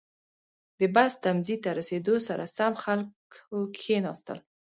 • د بس تمځي ته رسېدو سره سم، خلکو کښېناستل.